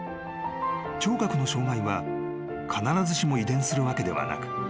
［聴覚の障がいは必ずしも遺伝するわけではなく］